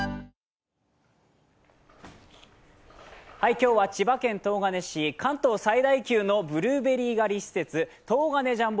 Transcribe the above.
今日は千葉県東金市、関東最大級のブルーベリー狩り施設、東金ジャンボ